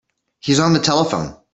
He's on the telephone.